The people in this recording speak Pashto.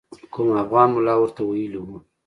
کوم افغان ملا ورته ویلي وو.